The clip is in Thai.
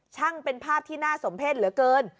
ช่างเป็นภาพที่น่าสมเพศเหลือเกิน